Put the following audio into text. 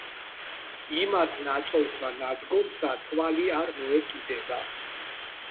იმათ ნაწოლსა ნადგომსა თვალი არ მოეკიდება